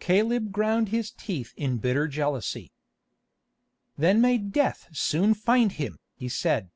Caleb ground his teeth in bitter jealousy. "Then may death soon find him!" he said.